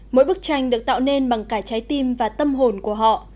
mỗi bức tranh được tạo nên bằng cả trái tim và tâm hồn của họ